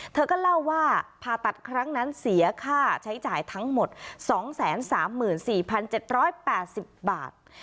เธอก็เล่าว่าผ่าตัดครั้งนั้นเสียค่าใช้จ่ายทั้งหมดสองแสนสามหมื่นสี่พันเจ็ดร้อยแปดสิบบาท